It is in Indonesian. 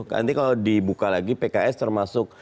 nanti kalau dibuka lagi pks termasuk